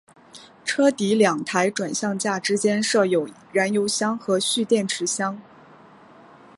车底两台转向架之间设有燃油箱和蓄电池箱。